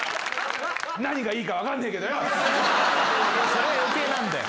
それが余計なんだよ。